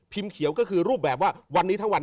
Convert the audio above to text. เขียวก็คือรูปแบบว่าวันนี้ทั้งวัน